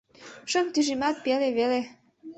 — Шым тӱжемат пеле веле.